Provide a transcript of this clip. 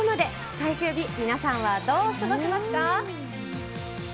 最終日、皆さんはどう過ごしますか。